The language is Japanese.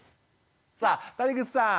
さあ谷口さん